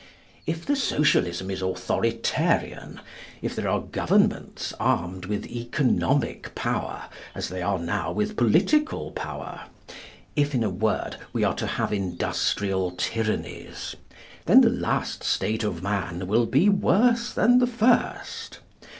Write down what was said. If the Socialism is Authoritarian; if there are Governments armed with economic power as they are now with political power; if, in a word, we are to have Industrial Tyrannies, then the last state of man will be worse than the first.